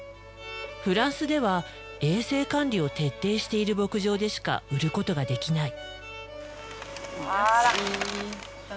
フランスでは衛生管理を徹底している牧場でしか売ることができない。